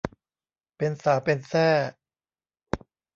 เป็นสาวเป็นแส้